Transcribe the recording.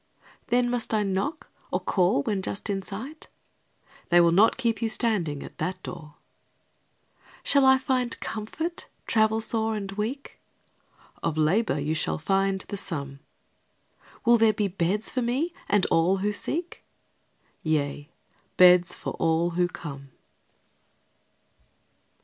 Then must I knock, or call when just in sight? They will not keep you standing at that door. Shall I find comfort, travel sore and weak? Of labor you shall find the sum. Will there be beds for me and all who seek? Yea, beds for all who come.